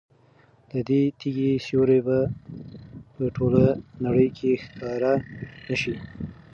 د دې تیږې سیوری به په ټوله نړۍ کې ښکاره نه شي.